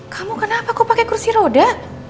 kamu kenapa kau pakai kursi roda